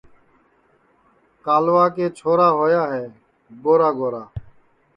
کالوا کے چھورا ہوا ہے گورا گورا